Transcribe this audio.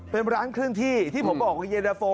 เป็นร้านเคลื่อนที่ที่ผมบอกว่าเย็นดาโฟ